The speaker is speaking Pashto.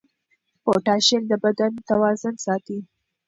پوټاشیم د بدن توازن ساتي.